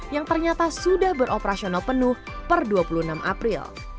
yang ternyata sudah beroperasional penuh per dua puluh enam april